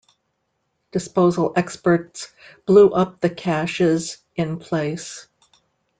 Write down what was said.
Disposal experts blew up the caches in place.